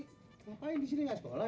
ini ngapain di sini nggak sekolah ya